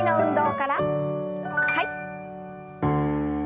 はい。